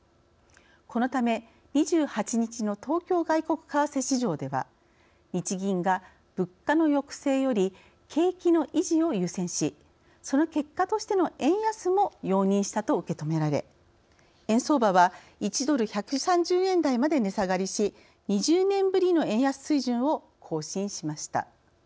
このため、２８日の東京外国為替市場では日銀が物価の抑制より景気の維持を優先しその結果としての円安も容認したと受け止められ円相場は１ドル１３０円台まで値下がりし２０年ぶりの円安水準を更新しました。